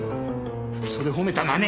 それ褒めたのはね